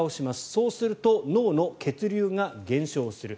そうすると脳の血流が減少する。